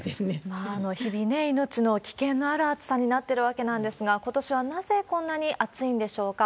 日々、命の危険のある暑さになってるわけなんですが、ことしはなぜこんなに暑いんでしょうか。